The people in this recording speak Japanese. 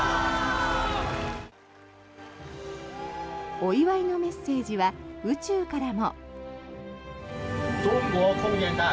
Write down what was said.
お祝いのメッセージは宇宙からも。